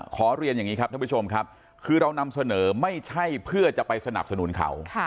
เรียนอย่างนี้ครับท่านผู้ชมครับคือเรานำเสนอไม่ใช่เพื่อจะไปสนับสนุนเขา